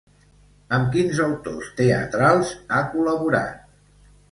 Amb quins autors teatrals ha col·laborat?